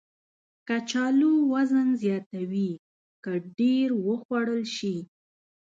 کچالو وزن زیاتوي که ډېر وخوړل شي